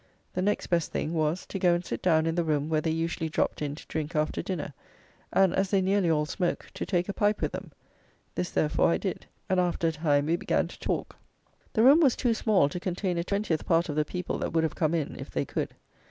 The next best thing was, to go and sit down in the room where they usually dropped in to drink after dinner; and, as they nearly all smoke, to take a pipe with them. This, therefore, I did; and, after a time, we began to talk. The room was too small to contain a twentieth part of the people that would have come in if they could.